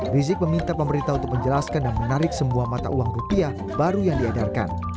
rizik meminta pemerintah untuk menjelaskan dan menarik semua mata uang rupiah baru yang diedarkan